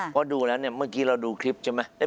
เพราะดูแล้วเนี่ยเมื่อกี้เราดูคลิปใช่ไหม